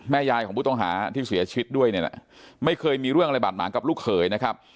ยายของผู้ต้องหาที่เสียชีวิตด้วยเนี่ยนะไม่เคยมีเรื่องอะไรบาดหมางกับลูกเขยนะครับ